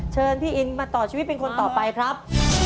เชิญพี่อินมาต่อชีวิตเป็นคนต่อไปครับ